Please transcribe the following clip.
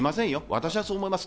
私はそう思います。